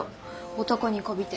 男にこびて。